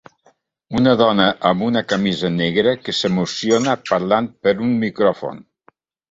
Una dona amb una camisa negra que s'emociona parlant per un micròfon.